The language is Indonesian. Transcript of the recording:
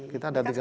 kita ada tiga